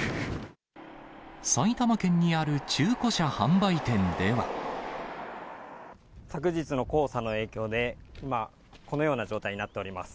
埼玉県にある中古車販売店で昨日の黄砂の影響で、今、このような状態になっております。